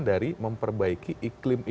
dari memperbaiki iklim iklim tadi